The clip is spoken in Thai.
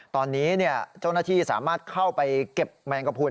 ตอนนี้เจ้าหน้าที่สามารถเข้าไปเก็บแมงกระพุน